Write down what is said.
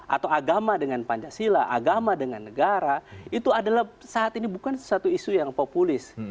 atau agama dengan pancasila agama dengan negara itu adalah saat ini bukan sesuatu isu yang populis